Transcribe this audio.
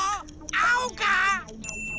あおか？